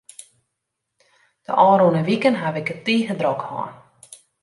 De ôfrûne wiken haw ik it tige drok hân.